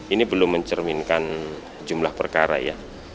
ini belum mencerminkan jumlah perkara ya